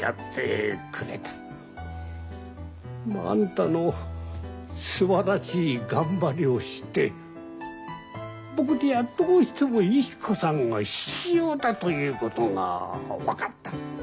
あんたのすばらしい頑張りを知って僕にはどうしてもゆき子さんが必要だということが分かった。